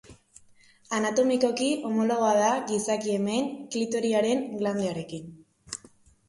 Anatomikoki homologoa da gizaki emeen klitoriaren glandearekin.